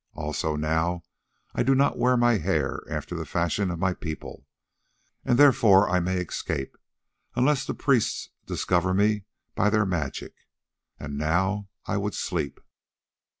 Also now I do not wear my hair after the fashion of my people, and therefore I may escape, unless the priests discover me by their magic. And now I would sleep."